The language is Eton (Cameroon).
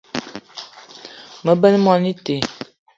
Me benn moni ite